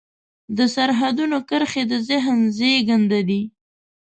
د سرحدونو کرښې د ذهن زېږنده دي.